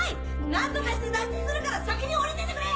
・何とかして脱出するから先に下りててくれ！